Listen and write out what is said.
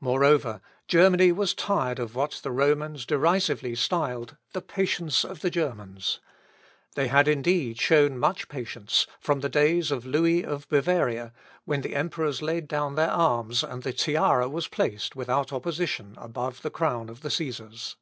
Moreover, Germany was tired of what the Romans derisively styled "the patience of the Germans." They had indeed, shown much patience from the days of Louis of Bavaria, when the emperors laid down their arms, and the tiara was placed, without opposition, above the crown of the Cæsars.